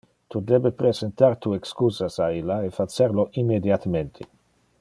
Tu debe presentar tu excusas a illa, e facer lo immediatemente.